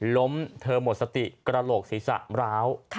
เธอหมดสติกระโหลกศีรษะร้าว